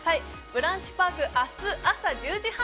ブランチパーク明日朝１０時半